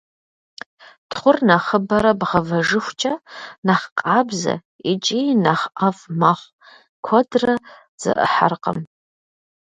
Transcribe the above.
Тхъур нэхъыбэрэ бгъэвэжыхукӏэ, нэхъ къабзэ икӏи нэхъ ӏэфӏ мэхъу, куэдрэ зэӏыхьэркъым.